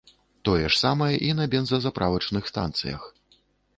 Тое ж самае і на бензазаправачных станцыях.